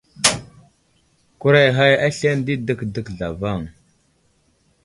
Kuray ghay aslane di dəkdək zlavaŋ.